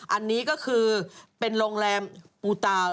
อันนี้ก็คือเป็นโรงแรมปูตาว